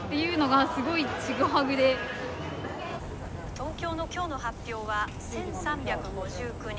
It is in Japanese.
「東京の今日の発表は１，３５９人。